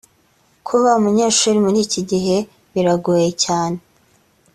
kuba umunyeshuri muri iki gihe biragoye cyane